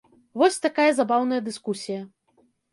Вось такая забаўная дыскусія.